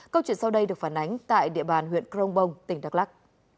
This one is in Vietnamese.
câu chuyện sau đây được phản ánh tại địa bàn huyện crong bông tỉnh đắk lắc